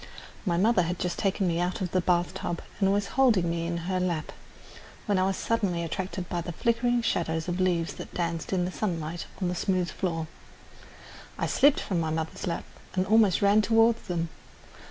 My mother had just taken me out of the bath tub and was holding me in her lap, when I was suddenly attracted by the flickering shadows of leaves that danced in the sunlight on the smooth floor. I slipped from my mother's lap and almost ran toward them.